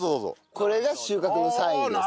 これが収穫のサインです。